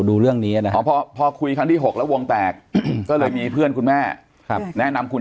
ดูเรื่องนี้นะครับพอคุยครั้งที่๖แล้ววงแตกก็เลยมีเพื่อนคุณแม่แนะนำคุณ